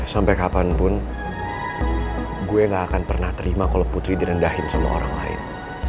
sampai kapanpun gue gak akan pernah terima kalau putri direndahin sama orang lain